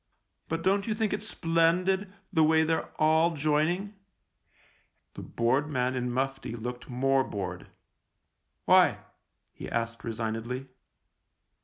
But don't you think it's splendid, the way they're all joining ?" The bored man in mufti looked more bored. " Why ?" he asked resignedly.